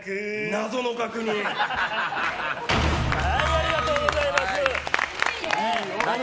ありがとうございます。